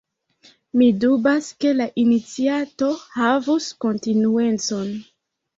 Mi dubas ke la iniciato havus kontinuecon.